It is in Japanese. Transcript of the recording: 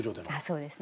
そうですね。